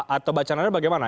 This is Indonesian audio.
atau bacaan anda bagaimana